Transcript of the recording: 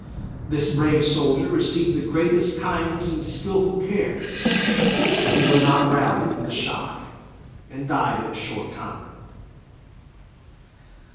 This brave soldier received the greatest kindness and skillful care, but he would not rally from the shock and died in a short time.